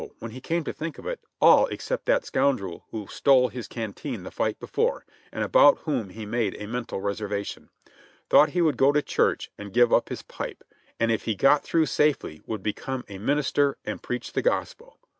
when he came to think of it, all except that scoun drel who stole his canteen the fight before, and about whom he made a mental reservation ; thought he would go to church and give up his pipe, and if he got through safely would become a minister and preach the gospel.